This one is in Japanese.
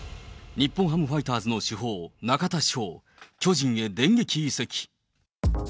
日本ハムファイターズの主砲、中田翔、巨人へ電撃移籍。